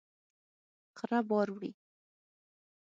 خره بار وړي